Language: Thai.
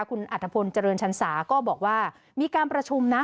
คุณอัธพลเจริญชันสาก็บอกว่ามีการประชุมนะ